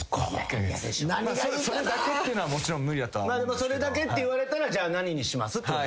それだけって言われたらじゃあ何にします？ってことですよね。